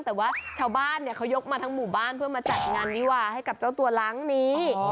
แต่ว่าชาวบ้านเขายกมาทั้งหมู่บ้านเพื่อมาจัดงานวิวาให้กับเจ้าตัวล้างนี้